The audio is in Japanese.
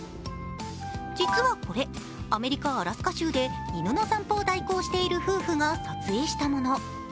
実はこれ、アメリカ・アラスカ州で犬の散歩を代行している夫婦が撮影したもの。